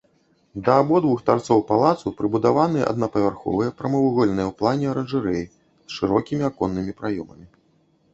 Да абодвух тарцоў палацу прыбудаваныя аднапавярховыя прамавугольныя ў плане аранжарэі з шырокімі аконнымі праёмамі.